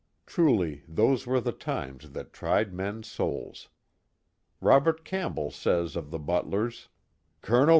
Truly those were the times that tried men's souls. Robert Campbell says of the Butlers: Col.